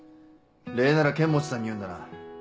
礼なら剣持さんに言うんだな。